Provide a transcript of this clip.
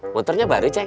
motornya baru ceng